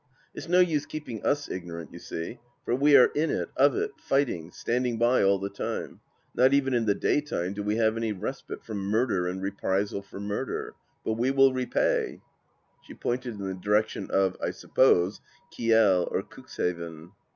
" It's no use keeping us ignorant, you see. For we are in it, of it, fighting, standing by all the time. Not even in the dajrtime do we have any respite from Murder and reprisal for Murder. But we will repay I " She pointed in the direction of, I suppose, Kiel or Cux haven.